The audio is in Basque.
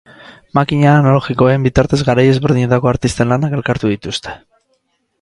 Makina analogikoen bitartez garai ezberdinetako artisten lanak elkartu dituzte.